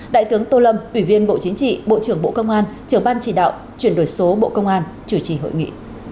đại tướng tô lâm ủy viên bộ chính trị bộ trưởng bộ công an trưởng ban chỉ đạo chuyển đổi số bộ công an chủ trì hội nghị